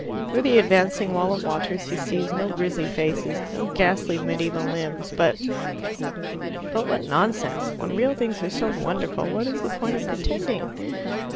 Through the advancing wall of waters he sees no grisly faces, no ghastly medieval limbs, but But what nonsense! When real things are so wonderful, what is the point of pretending?